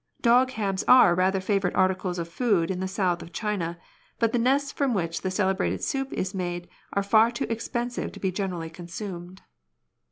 Dog hams are rather favourite articles of food in the south of China, but the nests from which the celebrated soup is made are far too expensive to be generally consumed.